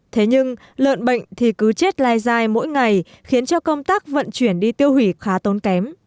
thế nhưng lợn bệnh thì cứ chết lai dai mỗi ngày khiến cho công tác vận chuyển đi tiêu hủy khá tốn kém